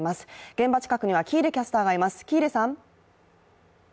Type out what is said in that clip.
現場近くには喜入キャスターがいます。